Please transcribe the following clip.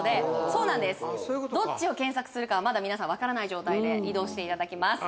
そういうことかどっちを検索するかはまだ皆さんわからない状態で移動していただきます